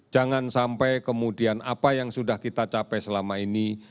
jangan sampai kemudian apa yang sudah kita capai selama ini